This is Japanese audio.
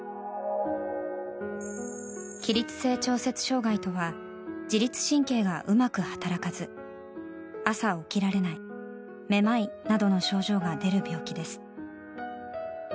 起立性調節障害とは自律神経がうまく働かず朝起きられない、めまいなどの症状が出る病気です。